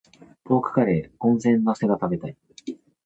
ポークカレー、温玉乗せが食べたい。